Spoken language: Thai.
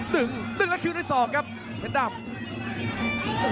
ตึงตึงแล้วชิงด้วยศอกครับเจอศอกอีกแล้ว